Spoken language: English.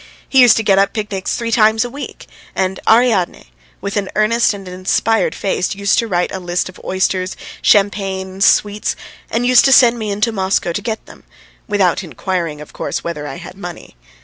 He used to get up picnics three times a week, and Ariadne, with an earnest and inspired face, used to write a list of oysters, champagne, sweets, and used to send me into Moscow to get them, without inquiring, of course, whether I had money.